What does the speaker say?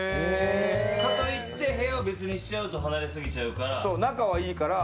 かといって部屋を別にしちゃうと離れすぎちゃうから。